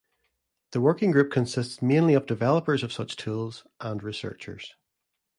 The working group consists mainly of developers of such tools and researchers.